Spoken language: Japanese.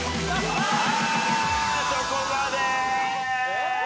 そこまで。